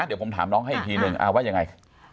เดี๋ยวผมถามน้องให้อีกทีนึงว่ายังไง